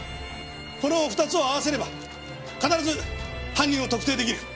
この２つを合わせれば必ず犯人を特定できる。